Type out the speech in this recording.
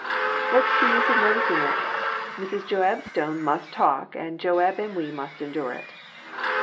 "What's the use of noticing it? Mrs. Joab Stone must talk, and Joab and we must endure it."